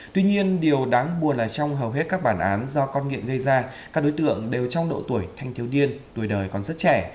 tuy nhiên điều đáng buồn là trong hầu hết các bản án do con nghiện gây ra các đối tượng đều trong độ tuổi thanh thiếu niên tuổi đời còn rất trẻ